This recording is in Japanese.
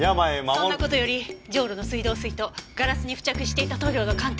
そんな事よりジョウロの水道水とガラスに付着していた塗料の鑑定結果は？